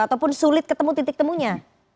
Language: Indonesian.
ataupun sulit ketemu titik temunya